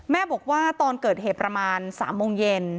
แม่บอกว่าตอนเกิดเหตุประมาณ๓โมงเย็น